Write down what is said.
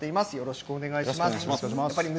よろしくお願いします。